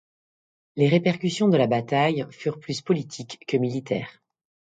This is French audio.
Les répercussions de la bataille furent plus politiques que militaires.